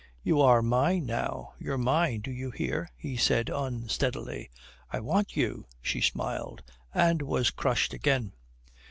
"You are mine, now. You're mine, do you hear?" he said unsteadily. "I want you," she smiled, and was crushed again.